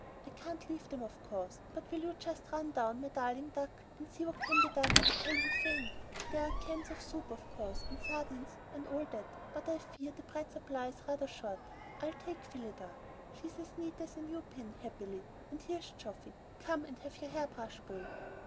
I can't leave them of course, but will you just run down, my darling duck, and see what can be done, and tell Euphane? There are cans of soup, of course, and sardines, and all that, but I fear the bread supply is rather short. I'll take Phillida. She's as neat as a new pin, happily. Ah, here's Geoffy. Come and have your hair brushed, boy."